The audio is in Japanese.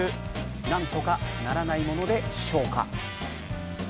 何とかならないものでしょうか。